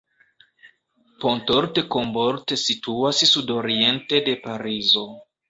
Pontault-Combault situas sudoriente de Parizo.